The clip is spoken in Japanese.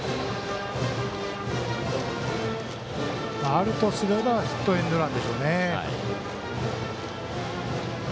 あるとすればヒットエンドランでしょうね。